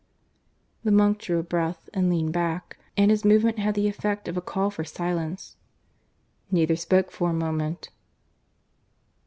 The monk drew a breath and leaned back, and his movement had the effect of a call for silence. Neither spoke for a moment.